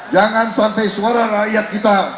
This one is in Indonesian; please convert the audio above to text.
jangan sampai suara rakyat kita